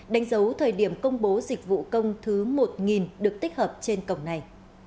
đánh dấu thời điểm công bố dịch vụ công thứ một được tích hợp trên cổng này